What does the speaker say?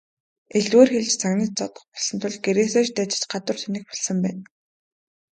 Элдвээр хэлж, загнаж зодох болсон тул гэрээсээ ч дайжиж гадуур тэнэх болсон байна.